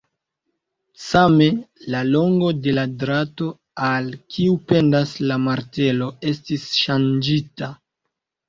Same, la longo de la drato, al kiu pendas la martelo, estis ŝanĝita.